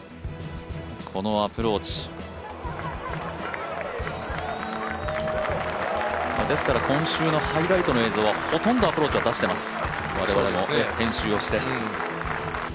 このアプローチ。ですから今週のハイライトの映像はほとんどアプローチは出しています。